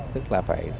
tức là phải